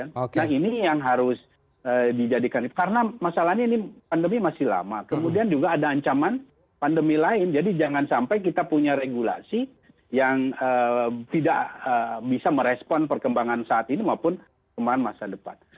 nah ini yang harus dijadikan karena masalahnya ini pandemi masih lama kemudian juga ada ancaman pandemi lain jadi jangan sampai kita punya regulasi yang tidak bisa merespon perkembangan saat ini maupun perkembangan masa depan